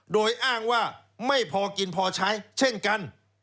โดยอ้างว่าไม่พอกินพอใช้เช่นกัน